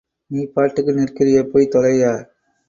நீ பாட்டுக்கு நிற்கிறியே போய்த் தொலய்யா.